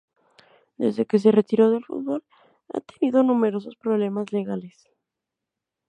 Desde que se retiró del fútbol, ha tenido numerosos problemas legales.